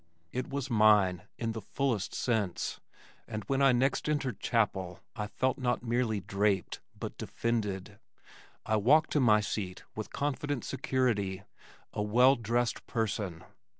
It was mine in the fullest sense and when I next entered chapel I felt not merely draped, but defended. I walked to my seat with confident security, a well dressed person.